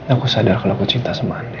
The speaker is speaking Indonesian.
aku sadar kalau aku cinta sama andi